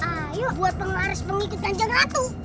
ayo buat penglaris pengikut ganteng ratu